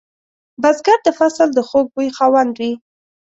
بزګر د فصل د خوږ بوی خاوند وي